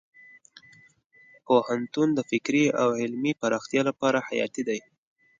پوهنتون د فکري او علمي پراختیا لپاره حیاتي دی.